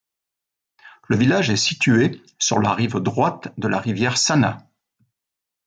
Le village est situé sur la rive droite de la rivière Sana.